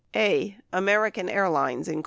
A. American Airlines, Inc.